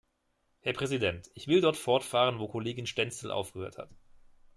Herr Präsident, ich will dort fortfahren, wo Kollegin Stenzel aufgehört hat.